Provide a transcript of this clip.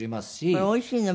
これおいしいの？